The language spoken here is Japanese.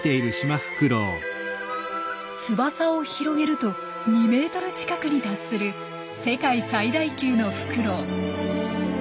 翼を広げると２ｍ近くに達する世界最大級のフクロウ。